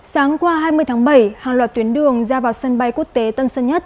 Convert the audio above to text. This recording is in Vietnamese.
sáng qua hai mươi tháng bảy hàng loạt tuyến đường ra vào sân bay quốc tế tân sơn nhất